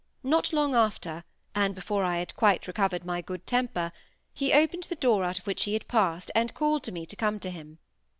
Not long after, and before I had quite recovered my good temper, he opened the door out of which he had passed, and called to me to come to him.